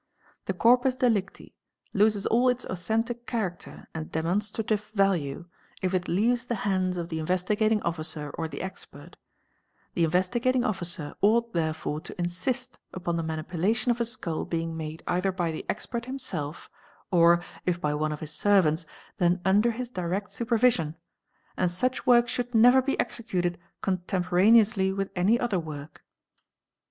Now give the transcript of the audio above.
TI corpus delicti loses all its authentic character and demonstrative value it leaves the hands of the Investigating Officer or the expert; the Invest gating Officer ought therefore to insist upon the manipulation of a sk being made either by the expert himself or, if by one of his servants, th under his direct supervision, and such work should never be execu contemporaneously with any other work.